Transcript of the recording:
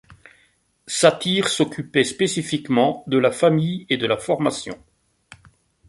Satir s'occupait spécifiquement de la famille et de la formation.